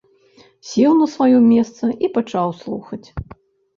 Сеў на сваё месца і пачаў слухаць.